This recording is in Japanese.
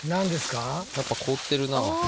やっぱ凍ってるな。